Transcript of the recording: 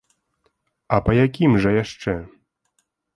А па якім жа яшчэ?